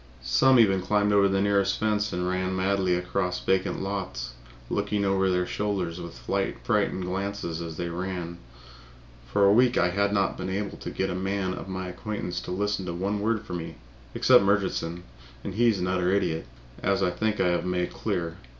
Some even climbed over the nearest fence and ran madly across vacant lots, looking over their shoulders with frightened glances as they ran. For a week I had not been able to get any man of my acquaintance to listen to one word from me, except Murchison, and he is an utter idiot, as I think I have made clear.